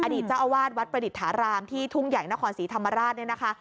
เจ้าอาวาสวัดประดิษฐารามที่ทุ่งใหญ่นครศรีธรรมราชเนี่ยนะคะ